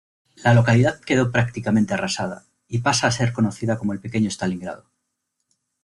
La localidad quedó prácticamente arrasada, y pasa a ser conocida como el pequeño Stalingrado.